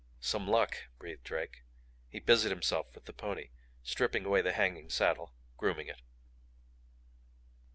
"Some luck!" breathed Drake. He busied himself with the pony, stripping away the hanging saddle, grooming it.